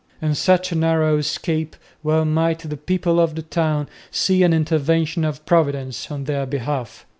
In such a narrow escape well might the people of the town see an intervention of Providence on their behalf.